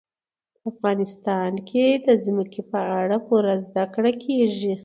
په افغانستان کې د ځمکه په اړه پوره زده کړه کېږي.